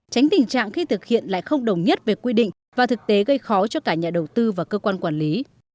tránh tình trạng khi thực hiện lại không đồng nhất về quy định và thực tế gây khó cho cả nhà đầu tư và cơ quan quản lý